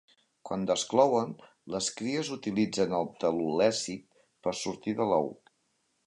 Quan desclouen, les cries utilitzen el telolècit per sortir de l'ou.